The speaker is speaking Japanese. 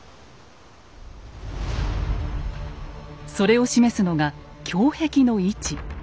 それを示すのが胸壁の位置。